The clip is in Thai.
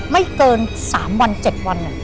ไม่เกิน๓วัน๗วัน